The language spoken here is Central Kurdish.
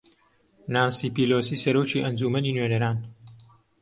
نانسی پیلۆسی سەرۆکی ئەنجومەنی نوێنەران